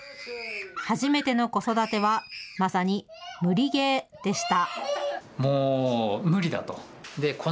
初めての子育てはまさに無理ゲーでした。